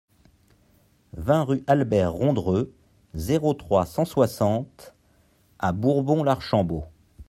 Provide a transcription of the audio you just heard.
vingt rue Albert Rondreux, zéro trois, cent soixante à Bourbon-l'Archambault